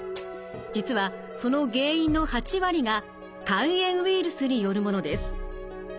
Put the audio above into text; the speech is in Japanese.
実はその原因の８割が肝炎ウイルスによるものです。